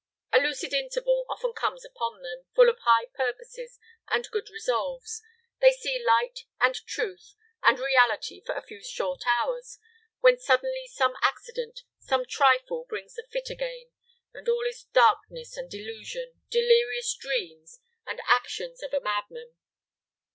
A lucid interval often comes upon them, full of high purposes and good resolves: they see light, and truth, and reality for a few short hours, when suddenly some accident some trifle brings the fit again, and all is darkness and delusion, delirious dreams, and actions of a madman.